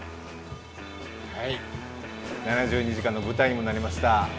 「７２時間」の舞台にもなりました